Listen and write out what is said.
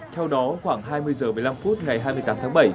theo đó khoảng hai mươi h một mươi năm phút ngày hai mươi tám tháng bảy